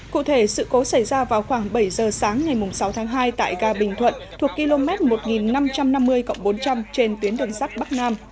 cụ thể sự cố xảy ra vào khoảng bảy giờ sáng ngày sáu tháng hai tại ga bình thuận thuộc km một nghìn năm trăm năm mươi bốn trăm linh trên tuyến đường sắt bắc nam